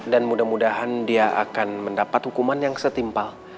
dan mudah mudahan dia akan mendapat hukuman yang setimpal